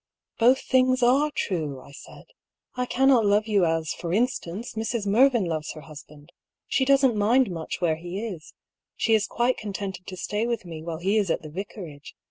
" Both things are true," I said. " I cannot love you as, for instance, Mrs. Mervyn loves her husband. She doesn't mind much where he is. She is quite contented to stay with me while he is at the Vicarage.